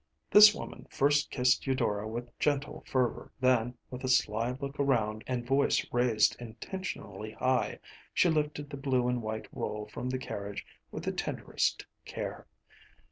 This woman first kissed Eudora with gentle fervor, then, with a sly look around and voice raised intentionally high, she lifted the blue and white roll from the carriage with the tenderest care.